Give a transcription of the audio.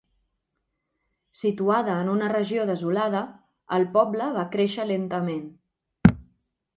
Situada en una regió desolada, el poble va créixer lentament.